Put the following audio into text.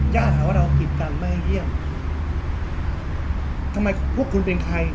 หาว่าเราผิดกันไม่ให้เยี่ยมทำไมพวกคุณเป็นใคร